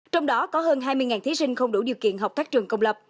trong đó có hơn hai mươi thí sinh không đủ điều kiện học các trường công lập